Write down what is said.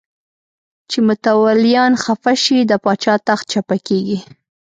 چې متولیان خفه شي د پاچا تخت چپه کېږي.